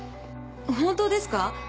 本当ですか？